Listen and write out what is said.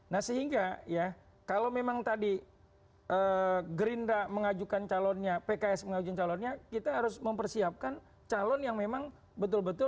nah sehingga ya kalau memang tadi gerindra mengajukan calonnya pks mengajukan calonnya kita harus mempersiapkan calon yang memang betul betul